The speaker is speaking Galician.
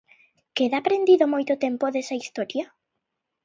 Queda prendido moito tempo desa historia?